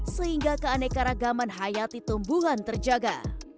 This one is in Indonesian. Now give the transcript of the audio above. sehingga keanekaragaman hayati tumbuhan terjaga